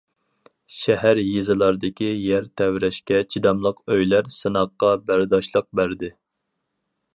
شەھەر، يېزىلاردىكى يەر تەۋرەشكە چىداملىق ئۆيلەر سىناققا بەرداشلىق بەردى.